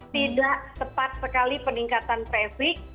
tidak tepat sekali peningkatan traffic